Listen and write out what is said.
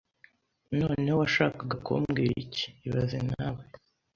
Noneho, washakaga kumbwira iki ibaze nawe